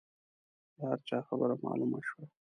د هر چا برخه معلومه شوه.